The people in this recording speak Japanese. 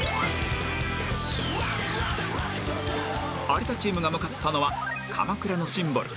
有田チームが向かったのは鎌倉のシンボル